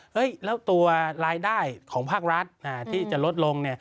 แล้วตัวรายได้ของภาครัฐที่จะลดลง